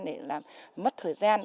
để mất thời gian